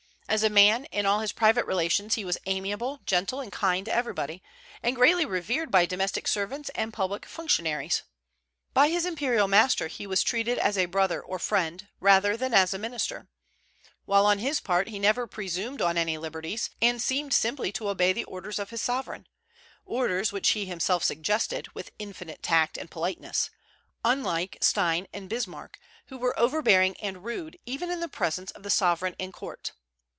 As a man, in all his private relations he was amiable, gentle, and kind to everybody, and greatly revered by domestic servants and public functionaries. By his imperial master he was treated as a brother or friend, rather than as a minister; while on his part he never presumed on any liberties, and seemed simply to obey the orders of his sovereign, orders which he himself suggested, with infinite tact and politeness; unlike Stein and Bismarck, who were overbearing and rude even in the presence of the sovereign and court.